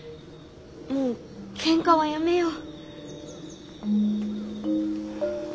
もうケンカはやめよう。